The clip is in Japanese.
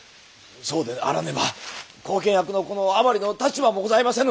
そうであらねば後見役のこの甘利の立場もございませぬ！